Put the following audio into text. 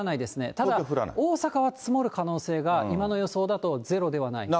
ただ、大阪は積もる可能性が、今の予想だとゼロではない。